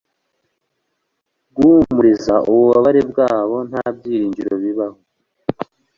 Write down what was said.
guhumuriza ububabare bwabo nta byiringiro bibaha